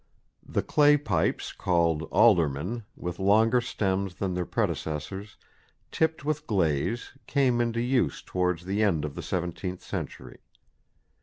The clay pipes called "aldermen," with longer stems than their predecessors, tipped with glaze, came into use towards the end of the seventeenth century.